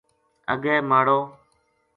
اَگے ماڑو